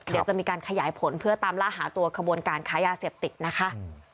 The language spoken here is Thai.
เดี๋ยวจะมีการขยายผลเพื่อตามล่าหาตัวขบวนการค้ายาเสพติดนะคะ